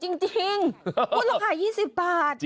จริงคุณราคา๒๐บาท